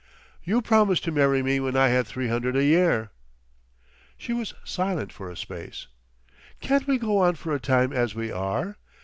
"You promised to marry me when I had three hundred a year." She was silent for a space. "Can't we go on for a time as we are?